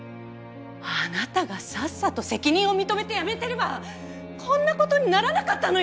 あなたがさっさと責任を認めて辞めてればこんな事にならなかったのよ！